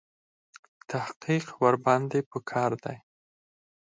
تحقیق ورباندې په کار دی.